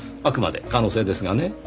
あくまで可能性ですがね。